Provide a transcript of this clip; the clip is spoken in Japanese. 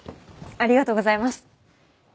ありがとうございます。